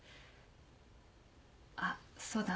あっそうだ。